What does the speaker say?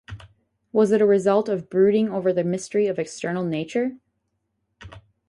Was it a result of brooding over the mystery of external nature?